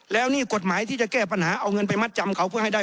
แล้วนี่กฎหมายที่จะแก้ปัญหาเอาเงินไปมัดจำเขาเพื่อให้ได้